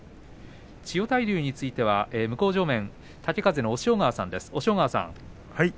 千代大龍については向正面豪風の押尾川さん。